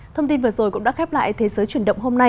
thông tin vừa rồi cũng đã khép lại thế giới chuyển động hôm nay